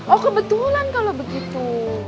oh kebetulan kalau begitu